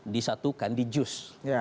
disatukan di jus